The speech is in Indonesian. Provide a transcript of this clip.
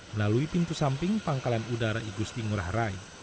melalui pintu samping pangkalan udara igusti ngurah rai